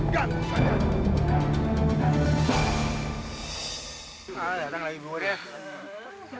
datang lagi buahnya